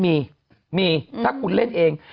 มีมีถ้าคุณเล่นเอง